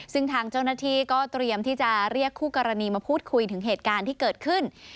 ซึ่งทางเจ้าหน้าที่ก็เตรียมที่จะเรียกคู่กรณีมาพูดคุยถึงเหตุการณ์ที่เกิดขึ้น